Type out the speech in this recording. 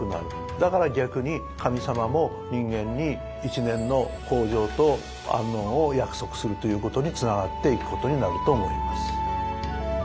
だから逆に神様も人間にするということにつながっていくことになると思います。